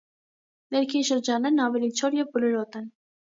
Ներքին շրջաններն ավելի չոր և բլրոտ են։